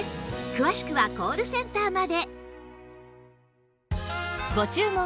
詳しくはコールセンターまで